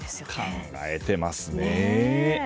考えてますね。